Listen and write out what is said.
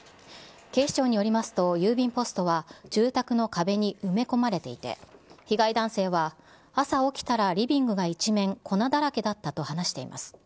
警視庁によりますと、郵便ポストは住宅の壁に埋め込まれていて、被害男性は朝起きたらリビングが一面、粉だらけだったと話しています。